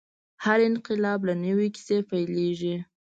هر انقلاب له نوې کیسې پیلېږي.